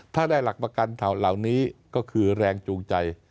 ถ้าได้หลักประกันเหล่านี้ก็คือแรงจูงใจ